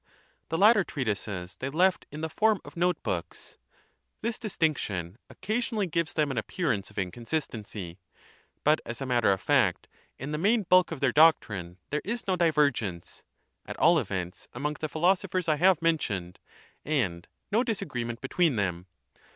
The latter treatises theyleftinthe form of note books. Thisdistinction oc casionally gives them an appearance of inconsistency ; but as a matter of fact in the main bulk of their doctrine there is no divergence, at all events among the philosophers I have mentioned, and no dis agreement between them.